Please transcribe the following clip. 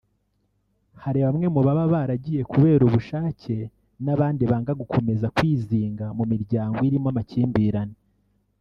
Hari bamwe mu baba baragiye kubera ubushake n’abandi banga gukomeza kwizinga mu miryango irimo amakimbirane